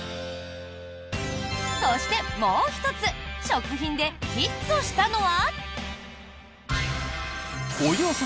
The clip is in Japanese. そして、もう１つ食品でヒットしたのは。